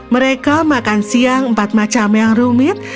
mereka makan siang empat macam yang rumit